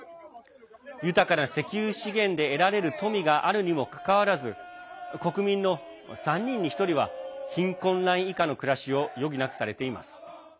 豊かな石油資源で得られる富があるにもかかわらず国民の３人に１人は貧困ライン以下の暮らしを余儀なくされています。